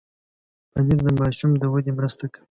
پنېر د ماشوم د ودې مرسته کوي.